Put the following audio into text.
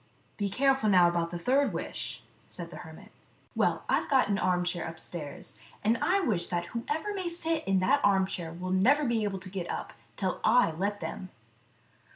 Be careful now about the third wish," said the hermit. " Well, I have got an armchair upstairs, and I wish that whoever may sit in that armchair will never be able to get up till I let them."